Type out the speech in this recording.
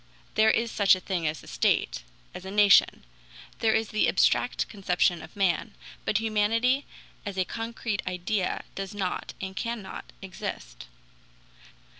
There is such a thing as a state, as a nation; there is the abstract conception of man; but humanity as a concrete idea does not, and cannot exist.